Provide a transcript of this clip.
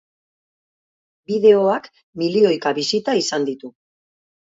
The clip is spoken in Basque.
Bideoak milioika bisita izan ditu.